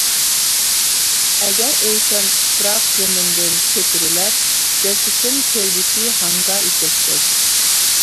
ئەگەر ئۆلسەم تۇپراق زېمىندىن كۆتۈرۈلەر، جەسىتىم چۆلدىكى ھاڭگا ئېشەكتەك.